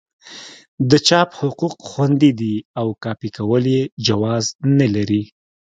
د چاپ حقوق خوندي دي او کاپي کول یې جواز نه لري.